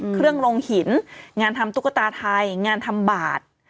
เครื่องลงหินงานทำตุ๊กตาไทยงานทำบาท